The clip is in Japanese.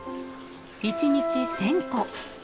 １日１，０００個。